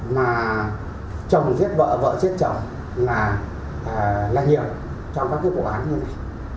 mà chồng giết vợ vợ giết chồng là nhiều trong các cái vụ án như này